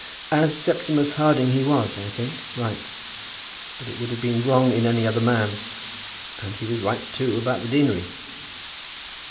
"As Septimus Harding he was, I think, right; but it would have been wrong in any other man. And he was right, too, about the deanery."